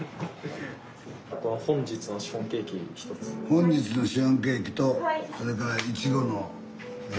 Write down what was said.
本日のシフォンケーキとそれからいちごのえ